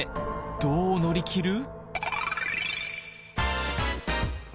どう乗り切る？